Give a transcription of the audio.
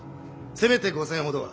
せめて５，０００ほどは。